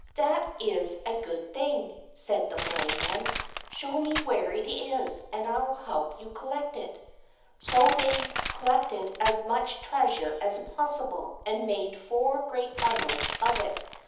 "That is a good thing," said the Blind Man. "Show me where it is and I will help you to collect it." So they collected as much treasure as possible and made four great bundles of it.